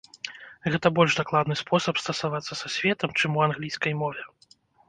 Гэта больш дакладны спосаб стасавацца са светам, чым у англійскай мове.